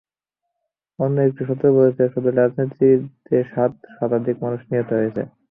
অন্য একটি সূত্র বলছে, শুধু রাজধানীতে সাত শতাধিক মানুষ নিহত হয়েছে।